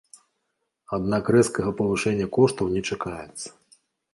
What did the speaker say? Аднак рэзкага павышэння коштаў не чакаецца.